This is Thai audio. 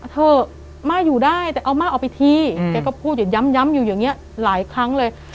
เถอะม่าอยู่ได้แต่เอาม่าเอาไปทีแกก็พูดอย่างย้ำอยู่อย่างนี้หลายครั้งเลย